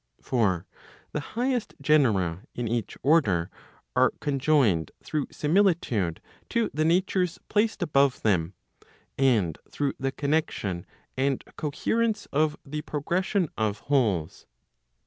For the highest genera in each order, are conjoined through similitude to the natures placed above them , 1 and through the connexion and coherence of the progression of wholes.